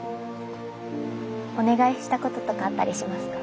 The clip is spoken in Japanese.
お願いしたこととかあったりしますか？